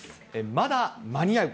まだ間に合う。